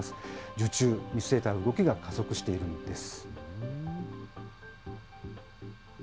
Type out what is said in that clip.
受注、見据えた動きが加速しているんです。